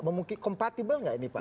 memungkit kompatibel nggak ini pak